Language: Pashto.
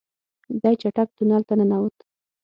دی چټک تونل ته ننوت.